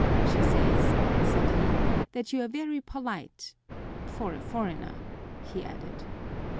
"She says," said he, "that you are very polite—for a foreigner," he added.